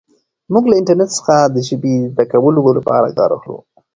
موږ له انټرنیټ څخه د ژبې زده کولو لپاره کار اخلو.